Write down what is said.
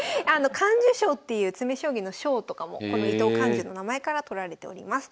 看寿賞っていう詰将棋の賞とかもこの伊藤看寿の名前からとられております。